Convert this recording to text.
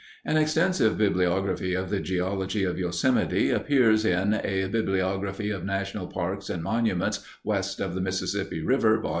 An extensive bibliography of the geology of Yosemite appears in A Bibliography of National Parks and Monuments West of the Mississippi River, Vol.